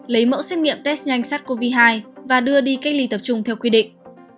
lấy mẫu xét nghiệm test nhanh sát covid một mươi chín và đưa đi cách ly tập trung theo quy định